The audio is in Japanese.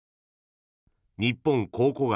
日本考古学